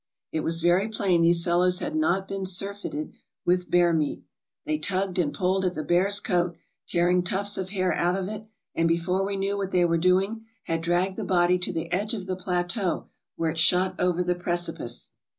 It was very plain these fellows had not been surfeited with M ISC ELL A NEO US 509 bear meat. They tugged and pulled at the bear's coat, tearing tufts of hair out of it, and before we knew what they were doing, had dragged the body to the edge of the plateau, where it shot over the precipice.